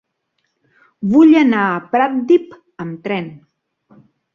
Vull anar a Pratdip amb tren.